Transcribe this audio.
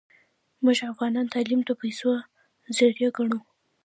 موږ افغانان تعلیم د پیسو ذریعه ګڼو